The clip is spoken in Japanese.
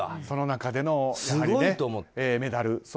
その中でのメダル。